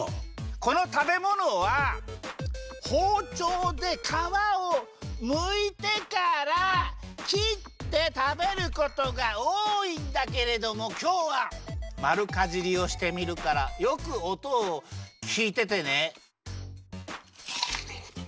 このたべものはほうちょうでかわをむいてからきってたべることがおおいんだけれどもきょうはまるかじりをしてみるからよくおとをきいててね。